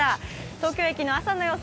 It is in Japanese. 東京駅の朝の様子